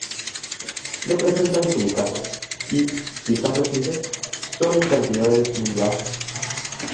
No presentan silicatos, y, si están presentes, son en cantidades muy bajas.